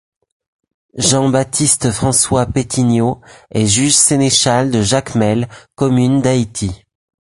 Jean Baptiste François Pétiniaud est juge-sénéchal de Jacmel, commune d'Haïti.